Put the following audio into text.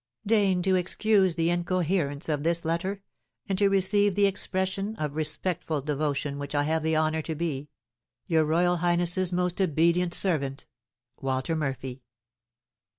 Deign, to excuse the incoherence of this letter, and to receive the expression of respectful devotion with which I have the honour to be Your royal highness's most obedient servant, WALTER MURPHY.